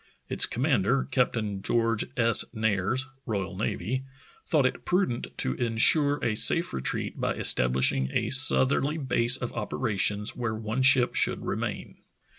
Its commander, Captain George S. Nares, R.N., thought it prudent to insure a safe retreat by estabHshing a southerly base of opera tions where one ship should remain.